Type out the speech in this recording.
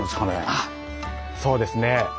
あっそうですね。